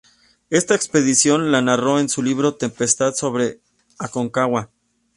Esta expedición la narró en su libro ""Tempestad sobre el Aconcagua"".